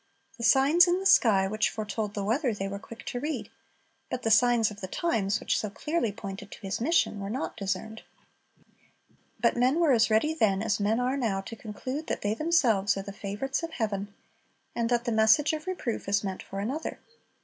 The signs in the sky, which foretold the weather, they were quick to read; but the signs of the times, which so clearly pointed to His mission, were not discerned. But men were as ready then as men are now to conclude that they themselves are the favorites of heaven, and that the message of reproof is meant for another.